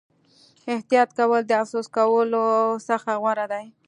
احتیاط کول د افسوس کولو څخه غوره دي.